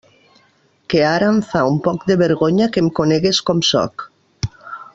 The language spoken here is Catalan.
Que ara em fa un poc de vergonya que em conegues com sóc.